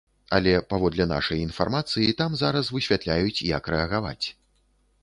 Але, паводле нашай інфармацыі, там зараз высвятляюць, як рэагаваць.